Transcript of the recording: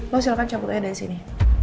lo silahkan campur aja dari sini